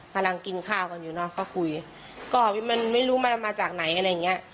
กำลังกินข้าวกันอยู่เนอะก็คุยก็มันไม่รู้มาจากไหนอะไรอย่างเงี้ย